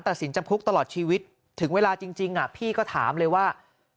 สินจำคุกตลอดชีวิตถึงเวลาจริงพี่ก็ถามเลยว่า